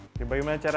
oke bagaimana cara